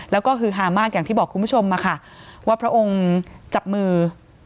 แล้วก็ฮือฮามากอย่างที่บอกคุณผู้ชมมาค่ะว่าพระองค์จับมือ